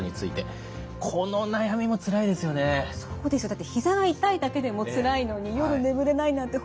だってひざが痛いだけでもつらいのに夜眠れないなんて